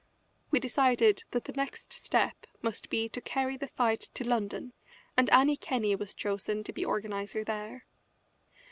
We decided that the next step must be to carry the fight to London, and Annie Kenney was chosen to be organiser there.